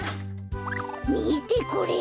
みてこれ！